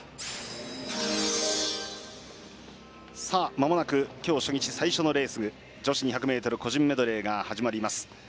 まもなく今日初日最初のレース女子２００ｍ個人メドレーが始まります。